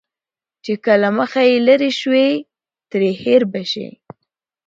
چې که له مخه يې لرې شوې، ترې هېر به شې.